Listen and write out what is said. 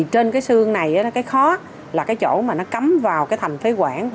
trên xương này cái khó là chỗ cấm vào thành phế quẩy